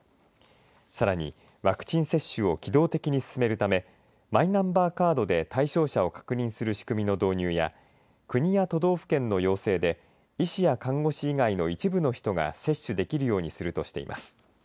さらに、ワクチン接種を機動的に進めるためマイナンバーカードで対象者を確認する仕組みの導入や国や都道府県の要請で医師や看護師以外の一部の人が接種できるようにするとしています。